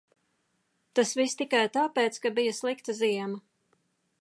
Tas viss tikai tāpēc, ka bija slikta ziema.